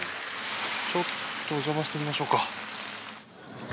ちょっとおじゃましてみましょうか。